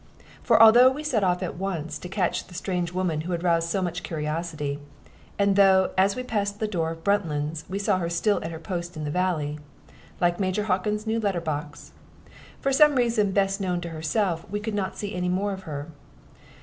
For although we set off at once to catch the strange woman who had roused so much curiosity, and though, as we passed the door of Bruntlands, we saw her still at her post in the valley, like Major Hockin's new letter box, for some reason best known to herself we could not see any more of her.